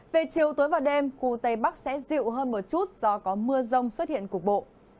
về chiều tối và đêm khu tây bắc sẽ dịu hơn một chút do có mưa rông xuất hiện cục bộ